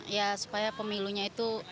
ya supaya pemilunya itu